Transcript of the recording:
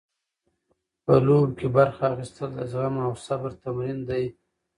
په لوبو کې برخه اخیستل د زغم او صبر تمرین دی.